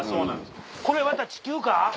これまた地球か？